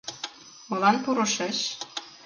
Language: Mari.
— Молан пурышыч?